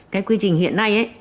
cái quy trình hiện nay ấy thì